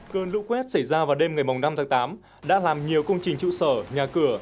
cơn lũ quét xảy ra vào đêm ngày năm tháng tám đã làm nhiều công trình trụ sở nhà cửa